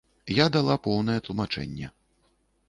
Я дала поўнае тлумачэнне.